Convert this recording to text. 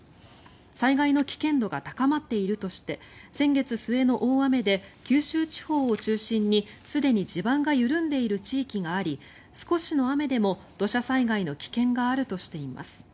災害の危険度が高まっているとして先月末の大雨で九州地方を中心に、すでに地盤が緩んでいる地域があり少しの雨でも土砂災害の危険があるとしています。